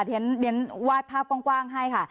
ฉะนั้นวาดภาพกว้างให้ค่ะ